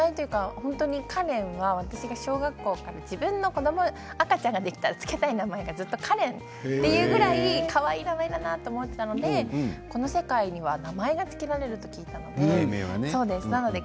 本当にカレンは私が小学校から自分の赤ちゃんができたら付けたい名前だなかわいいなと思うぐらいカレンはかわいいなと思っていたのでこの世界で名前が付けられると聞いたので。